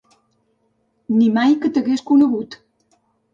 Ni mai que t'hagués conegut!